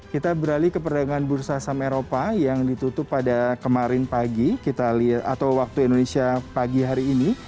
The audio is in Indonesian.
kita beralih ke perdagangan bursa sameropa yang ditutup pada kemarin pagi atau waktu indonesia pagi hari ini